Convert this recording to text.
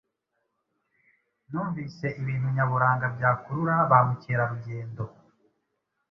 numvise ibintu nyaburanga byakurura ba mukerarugendo